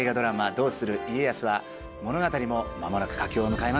「どうする家康」は物語も間もなく佳境を迎えます。